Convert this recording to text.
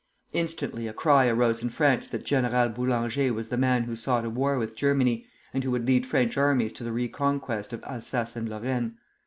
Instantly a cry arose in France that General Boulanger was the man who sought a war with Germany, and who would lead French armies to the reconquest of Alsace and Lorraine.